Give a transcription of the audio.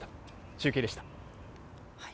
中継でした。